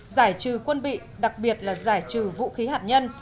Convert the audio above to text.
giải trừ quân bị đặc biệt là giải trừ vũ khí hạt nhân